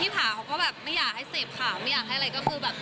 ผ่าเขาก็แบบไม่อยากให้เสพข่าวไม่อยากให้อะไรก็คือแบบ